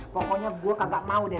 pokoknya gue kagak mau deh